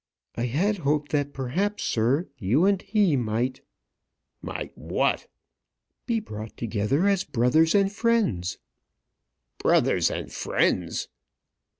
"I had hoped that perhaps, sir, you and he might " "Might what?" "Be brought together as brothers and friends." "Brothers and friends!